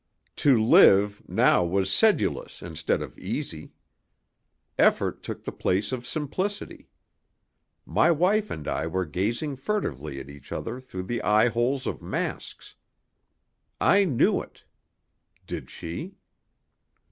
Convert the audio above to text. To live now was sedulous instead of easy. Effort took the place of simplicity. My wife and I were gazing furtively at each other through the eye holes of masks. I knew it. Did she?